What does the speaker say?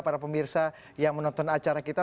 para pemirsa yang menonton acara kita